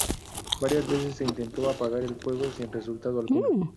Varias veces se intentó apagar el fuego sin resultado alguno.